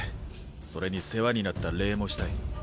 それに世話になった礼もしたい。